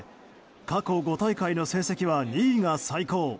過去５大会の記録は２位が最高。